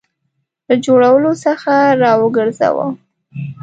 له جوړولو څخه را وګرځاوه.